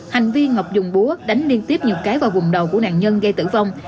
hành vi ngọc dùng búa đánh liên tiếp nhiều cái vào vùng đầu của nạn nhân gây tử vong